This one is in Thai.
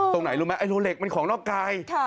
ตรงไหนรู้ไหมไอรูเหล็กมันของนอกกาย